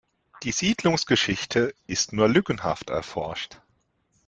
Die Siedlungsgeschichte ist nur lückenhaft erforscht.